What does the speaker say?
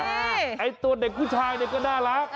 ไอ้ตัวเด็กผู้ชายก็น่ารัก